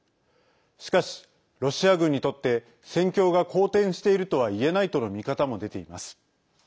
しかしロシア軍にとって、戦況が好転しているとはいえないとの見方も出ています。